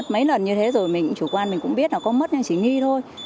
mấy lần như thế rồi chủ quan mình cũng biết là có mất nhưng chỉ nghi thôi